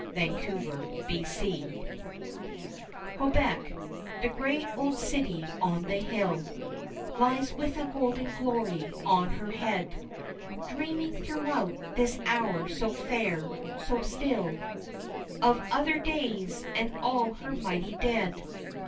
At Quebec Quebec, the grey old city on the hill, Lies with a golden glory on her head, Dreaming throughout this hour so fair so still Of other days and all her mighty dead.